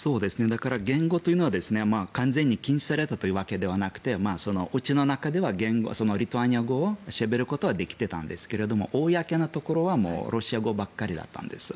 言語というのは完全に禁止されたというわけではなくてうちの中ではリトアニア語をしゃべることはできていたんですが公なところはロシア語ばっかりだったんです。